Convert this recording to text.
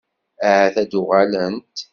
Ahat ad d-uɣalent?